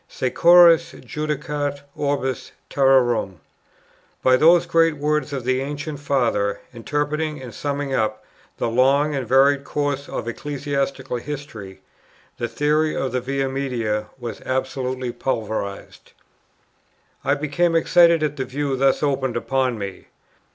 "Securus judicat orbis terrarum!" By those great words of the ancient Father, interpreting and summing up the long and varied course of ecclesiastical history, the theory of the Via Media was absolutely pulverized. I became excited at the view thus opened upon me.